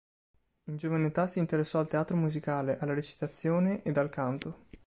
In giovane età si interessò al teatro musicale, alla recitazione ed al canto.